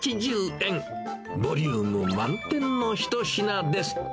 ボリューム満点の一品です。